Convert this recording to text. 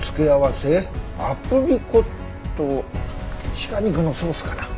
鹿肉のソースかな。